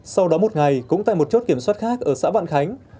sau đó một ngày cũng tại một chốt kiểm soát khác ở xã vạn khánh